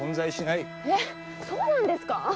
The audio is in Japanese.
えっそうなんですかあ？